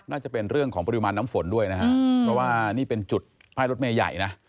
น่าจะเป็นเรื่องของปริมาณน้ำฝนด้วยนะฮะเพราะว่านี่เป็นจุดป้ายรถเมย์ใหญ่นะ